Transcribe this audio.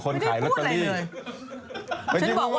ไม่ได้พูดอะไรเลย